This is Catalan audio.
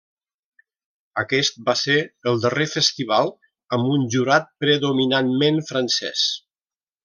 Aquest va ser el darrer festival amb un jurat predominantment francès.